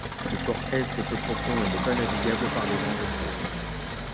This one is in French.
Le port Est est peu profond et n'est pas navigable par les grands vaisseaux.